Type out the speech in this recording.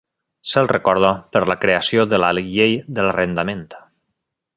Se'l recorda per la creació de la Llei de l'Arrendament.